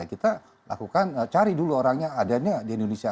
kita lakukan cari dulu orangnya adanya di indonesia